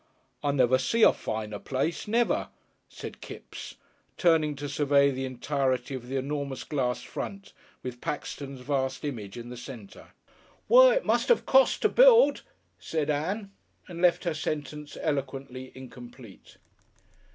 "I never see a finer place, never," said Kipps, turning to survey the entirety of the enormous glass front with Paxton's vast image in the centre. "What it must 'ave cost to build!" said Ann, and left her sentence eloquently incomplete.